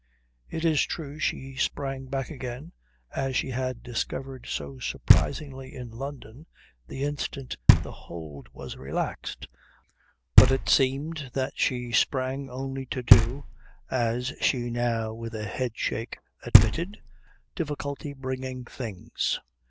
It is true she sprang back again, as she had discovered so surprisingly in London, the instant the hold was relaxed, but it seemed that she sprang only to do, as she now with a headshake admitted, difficulty bringing things.